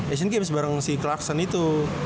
asian games bareng si klakson itu